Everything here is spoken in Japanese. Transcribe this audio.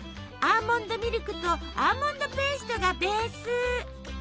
アーモンドミルクとアーモンドペーストがベース。